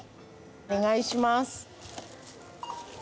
お願いします。